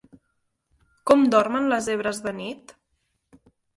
Com dormen les zebres de nit?